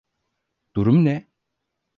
Durum ne?